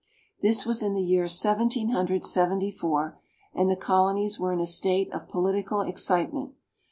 This was in the year Seventeen Hundred Seventy four, and the Colonies were in a state of political excitement.